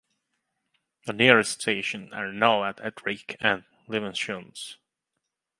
The nearest stations are now at Ardwick and Levenshulme.